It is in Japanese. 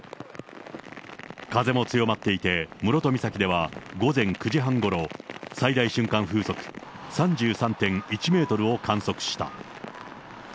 風も強まっていて、室戸岬では午前９時半ごろ、最大瞬間風速３３．１メートルを観測した。